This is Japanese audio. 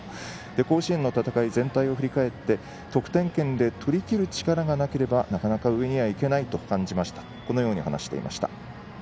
甲子園の戦い全体を振り返って得点圏でとりきる力がなければなかなか上にはいけないと感じたとこのように話していました。